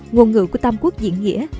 nguồn ngữ của tam quốc diễn nghĩa